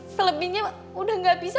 selebihnya udah gak bisa